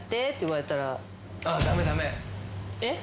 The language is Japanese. えっ？